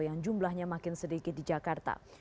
yang jumlahnya makin sedikit di jakarta